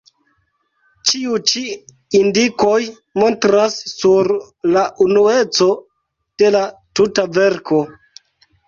Ĉiu ĉi indikoj montras sur la unueco de la tuta verko.